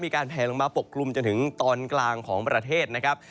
แผลลงมาปกกลุ่มจนถึงตอนกลางของประเทศนะครับ